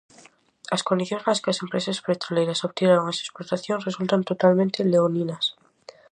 As condicións nas que as empresas petroleiras obtiveron as explotacións resultan totalmente leoninas.